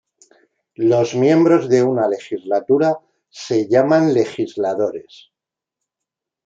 Los miembros de una legislatura se llaman legisladores.